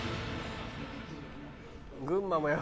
群馬もよ。